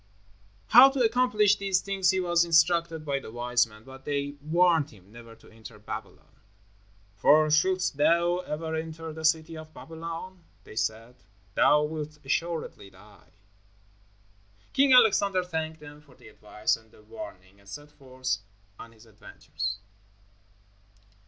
How to accomplish these things he was instructed by the wise men, but they warned him never to enter Babylon. "For shouldst thou ever enter the city of Babylon," they said, "thou wilt assuredly die." King Alexander thanked them for the advice and the warning, and set forth on his adventures.